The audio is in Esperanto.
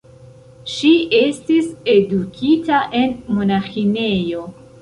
Ŝi estis edukita en monaĥinejo.